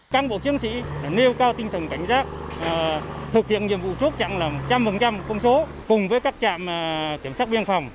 cán bộ chiến sĩ nêu cao tinh thần cảnh giác thực hiện nhiệm vụ chốt chặn là một trăm linh công số cùng với các trạm kiểm soát biên phòng